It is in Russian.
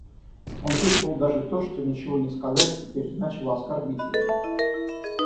Он чувствовал даже то, что ничего не сказать теперь значило оскорбить ее.